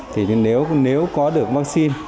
thì nếu có được vaccine